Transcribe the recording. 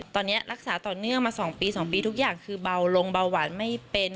ตอนนี้รักษาต่อเนื่องมา๒ปี๒ปีทุกอย่างคือเบาลงเบาหวานไม่เป็น